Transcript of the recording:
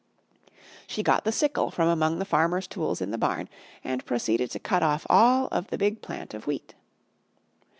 She got the sickle from among the farmer's tools in the barn and proceeded to cut off all of the big plant of Wheat.